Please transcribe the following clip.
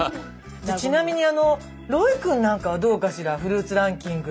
ちなみにロイ君なんかはどうかしらフルーツランキング。